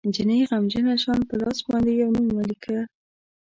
جینۍ غمجنه شان په لاس باندې یو نوم ولیکه